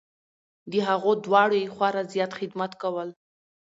د هغو دواړو یې خورا زیات خدمت کول .